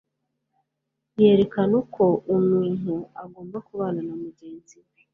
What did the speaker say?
yerekana uko ununtu agomba kubana na mugenzi we.